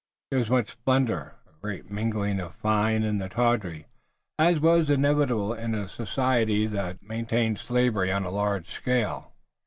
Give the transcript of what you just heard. There was much splendor, a great mingling of the fine and the tawdry, as was inevitable in a society that maintained slavery on a large scale.